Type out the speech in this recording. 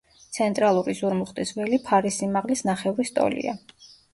ცენტრალური ზურმუხტის ველი ფარის სიმაღლის ნახევრის ტოლია.